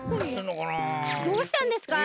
どうしたんですか？